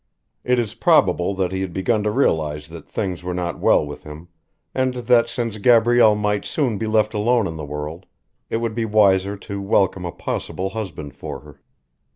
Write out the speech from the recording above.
It is probable that he had begun to realise that things were not well with him, and that since Gabrielle might soon be left alone in the world, it would be wiser to welcome a possible husband for her.